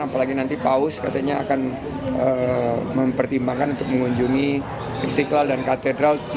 apalagi nanti paus katanya akan mempertimbangkan untuk mengunjungi istiqlal dan katedral